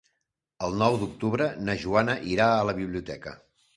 El nou d'octubre na Joana irà a la biblioteca.